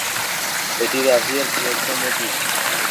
এটি রাশিয়ার বৃহত্তম দ্বীপ।